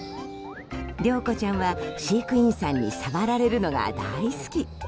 りょうこちゃんは飼育員さんに触られるのが大好き。